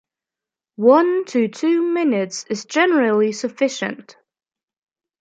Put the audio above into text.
One to two minutes is generally sufficient.